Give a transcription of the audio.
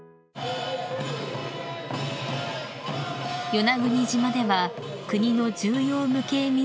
［与那国島では国の重要無形民俗